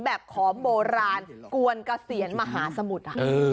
แบบคอมโบราณกวนกาเสียนมหาสมุทธ์